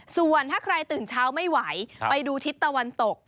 ส่วนถ้าใครตื่นเช้าไม่ไหวไปดูทิศตะวันตก